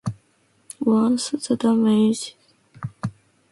Once the damaged tunnel was repaired by Metronet engineers, the lines were reopened.